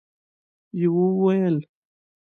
يوه وويل: